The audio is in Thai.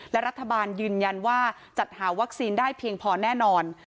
และรัฐบาลยืนยันว่าจัดหาวัคซีนได้เพียงพอแน่นอน